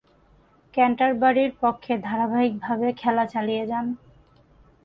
ক্যান্টারবারির পক্ষে ধারাবাহিকভাবে খেলা চালিয়ে যান।